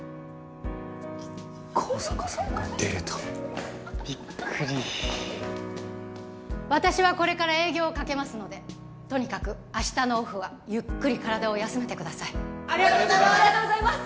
香坂さんがデレたビックリ私はこれから営業をかけますのでとにかく明日のオフはゆっくり体を休めてくださいありがとうございます！